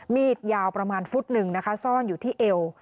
มีดยาวประมาณฟุตหนึ่งนะคะซ่อนอยู่ที่เอว